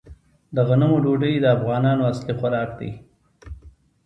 د غنمو ډوډۍ د افغانانو اصلي خوراک دی.